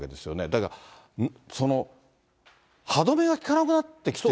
だから、歯止めが利かなくなってきている。